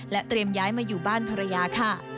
เตรียมย้ายมาอยู่บ้านภรรยาค่ะ